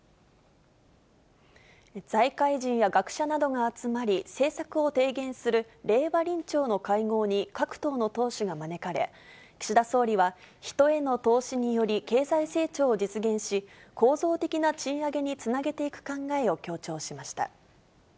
財界人や学者などが集まり、政策を提言する令和臨調の会合に各党の党首が招かれ、岸田総理は、人への投資により経済成長を実現し、構造的な賃上げにつなげていく考えを強調しました。